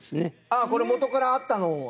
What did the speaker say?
ああこれ元からあったのを。